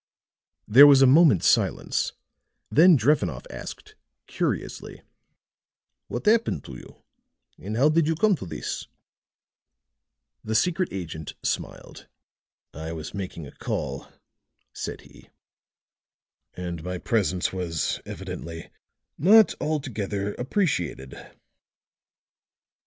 There was a moment's silence; then Drevenoff asked, curiously: "What happened to you? and how did you come to this?" The secret agent smiled. "I was making a call," said he, "and my presence was evidently not altogether appreciated."